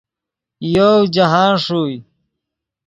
یوؤ جاہند ݰوئے